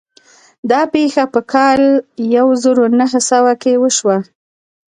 دا پېښه په کال يو زر و نهه سوه کې وشوه.